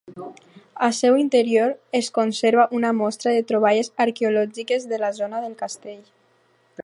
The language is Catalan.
A seu interior es conserva una mostra de troballes arqueològiques de la zona del Castell.